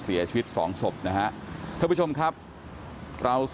เสียชีวิต๒ศพนะฮะ